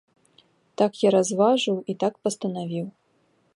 Так я разважыў і так пастанавіў.